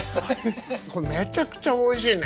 これめちゃくちゃおいしいね。